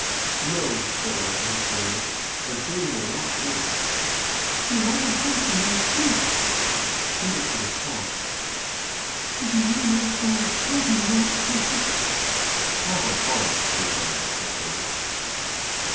"No," said Ogden firmly. "I'm feeling a lot worse." "You haven't drunk your nice soup." "Feed it to the cat." "Could you eat a nice bowl of bread and milk, precious?" "Have a heart," replied the sufferer.